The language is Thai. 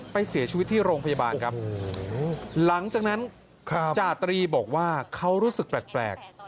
เสียชีวิตที่โรงพยาบาลครับหลังจากนั้นจาตรีบอกว่าเขารู้สึกแปลก